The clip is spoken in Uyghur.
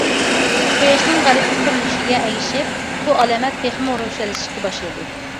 قۇياشنىڭ غەربكە سۈرۈلۈشىگە ئەگىشىپ بۇ ئالامەت تېخىمۇ روشەنلىشىشكە باشلىدى.